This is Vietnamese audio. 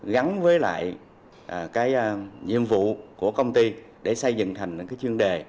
gắn với lại cái nhiệm vụ của công ty để xây dựng thành cái chuyên đề